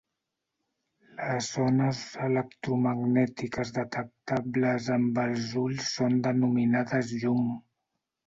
Les ones electromagnètiques detectables amb els ulls són denominades llum.